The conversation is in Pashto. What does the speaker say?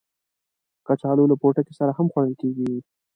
کچالو له پوټکي سره هم خوړل کېږي